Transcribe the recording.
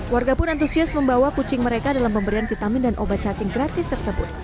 warga pun antusias membawa kucing mereka dalam pemberian vitamin dan obat cacing gratis tersebut